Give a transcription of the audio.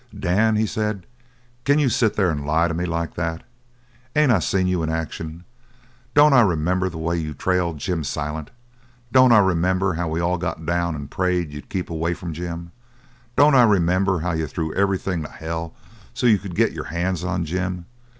"Dan," he said, "can you sit there and lie like that to me? Ain't I seen you in action? Don't I remember the way you trailed Jim Silent? Don't I remember how we all got down and prayed you to keep away from Jim? Don't I remember how you threw everything to hell so's you could get your hands on Jim?